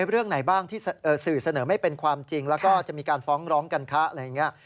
เรื่องไหนบ้างที่สื่อเสนอไม่เป็นความจริงแล้วก็จะมีการฟ้องร้องกันคะอะไรอย่างนี้